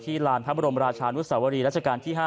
ลานพระบรมราชานุสวรีรัชกาลที่๕